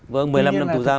vâng một mươi năm năm tù giam